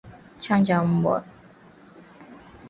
Chanja mbwa